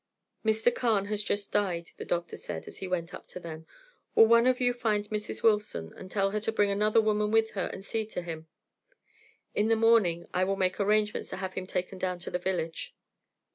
"Mr. Carne has just died," the doctor said, as he went up to them. "Will one of you find Mrs. Wilson and tell her to bring another woman with her and see to him? In the morning I will make arrangements to have him taken down to the village."